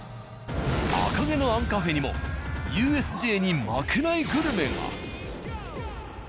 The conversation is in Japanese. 「赤毛のアンカフェ」にもＵＳＪに負けないグルメが。